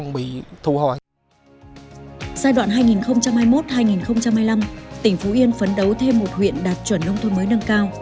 giai đoạn hai nghìn hai mươi một hai nghìn hai mươi năm tỉnh phú yên phấn đấu thêm một huyện đạt chuẩn nông thôn mới nâng cao